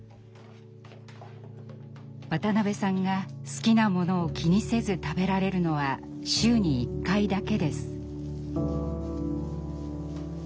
渡辺さんが好きなものを気にせず食べられるのは週に１回だけです。